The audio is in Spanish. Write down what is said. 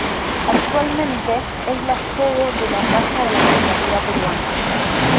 Actualmente es la sede de la Casa de la Literatura Peruana.